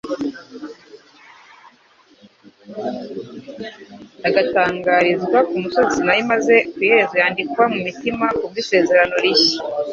agatangarizwa ku musozi Sinayi, maze ku iherezo yandikwa mu mitima kubw'isezerano rishya,